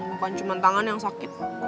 bukan cuma tangan yang sakit